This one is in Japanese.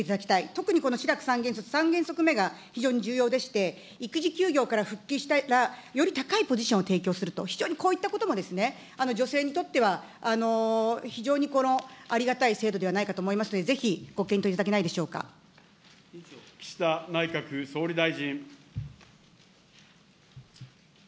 特にこのシラク三原則、３原則目が非常に重要でして、育児休業から復帰したら、より高いポジションを提供すると、非常にこういったことも、女性にとっては、非常にありがたい制度ではないかと思いますので、ぜひ岸田内閣総理大臣。